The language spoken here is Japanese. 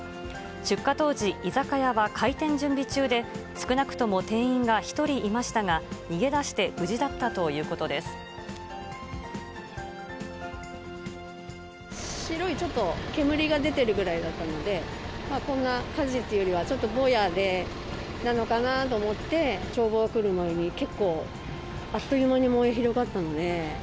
出火当時、居酒屋は開店準備中で、少なくとも店員が１人いましたが、逃げ出して無事だったということ白いちょっと煙が出てるぐらいだったので、こんな火事っていうよりは、ちょっとぼやで、なのかなと思って、消防が来る前に、結構、あっという間に燃え広がったので。